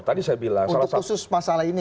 untuk khusus masalah ini